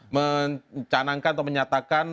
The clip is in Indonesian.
mencanangkan atau menyatakan